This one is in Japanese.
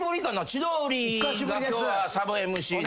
千鳥が今日はサブＭＣです。